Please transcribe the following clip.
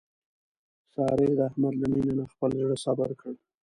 سارې د احمد له مینې نه خپل زړه صبر کړ.